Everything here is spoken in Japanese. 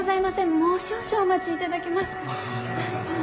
もう少々お待ちいただけますか。